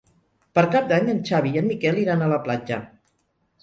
Per Cap d'Any en Xavi i en Miquel iran a la platja.